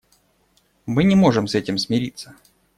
Мы не можем с этим смириться.